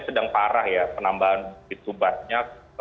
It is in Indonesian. sedang parah ya penambahan begitu banyak